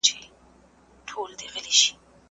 حق ووايئ که څه هم تريخ وي.